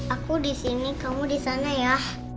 aku disini kamu disana ya